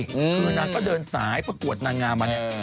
คือนางก็เดินสายประกวดนางงามมาเนี่ย